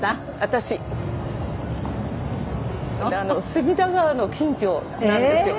隅田川の近所なんですよ。